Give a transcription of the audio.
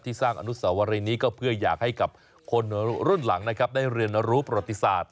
สร้างอนุสาวรีนี้ก็เพื่ออยากให้กับคนรุ่นหลังนะครับได้เรียนรู้ประวัติศาสตร์